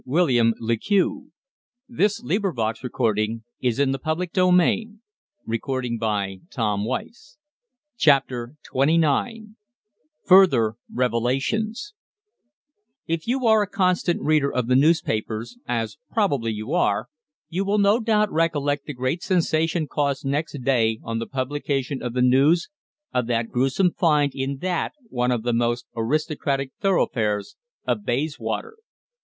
Justice would, no doubt, be done, and they would meet with their well merited punishment. CHAPTER TWENTY NINE FURTHER REVELATIONS If you are a constant reader of the newspapers, as probably you are, you will no doubt recollect the great sensation caused next day on the publication of the news of the gruesome find in that, one of the most aristocratic thoroughfares of Bayswater.